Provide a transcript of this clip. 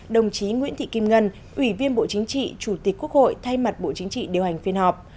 đồng chí nguyễn thị kim ngân ủy viên bộ chính trị chủ tịch quốc hội thay mặt bộ chính trị điều hành phiên họp